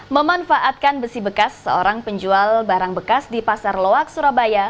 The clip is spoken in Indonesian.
memanfaatkan besi bekas seorang penjual barang bekas di pasar loak surabaya